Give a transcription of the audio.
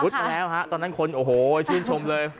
มาแล้วฮะตอนนั้นคนโอ้โหชื่นชมเลย